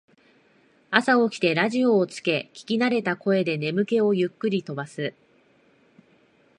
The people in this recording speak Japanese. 朝起きてラジオをつけ聞きなれた声で眠気をゆっくり飛ばす